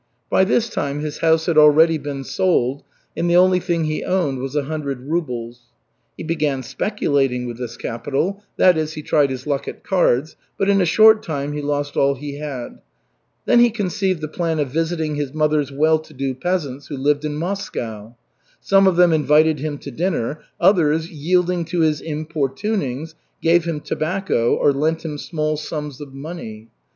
By this time his house had already been sold, and the only thing he owned was a hundred rubles. He began "speculating" with this capital, that is, he tried his luck at cards, but in a short time he lost all he had. Then he conceived the plan of visiting his mother's well to do peasants who lived in Moscow. Some of them invited him to dinner, others, yielding to his importunings, gave him tobacco or lent him small sums of money.